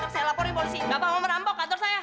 saya laporin polisi bapak mau merampok kantor saya